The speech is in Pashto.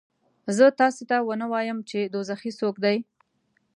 زه تاسې ته ونه وایم چې دوزخي څوک دي؟